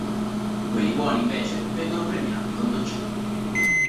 Quelli buoni, invece, vengono premiati con dolcetti.